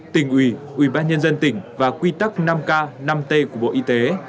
tỉnh ủy ubnd tỉnh và quy tắc năm k năm t của bộ y tế